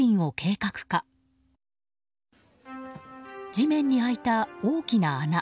地面に開いた大きな穴。